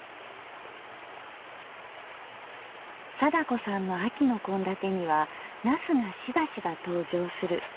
貞子さんの秋の献立には茄子がしばしば登場する。